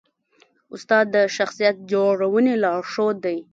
استاد د شخصیت جوړونې لارښود دی.